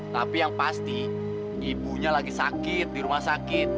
tapi yang pasti ibunya lagi sakit di rumah sakit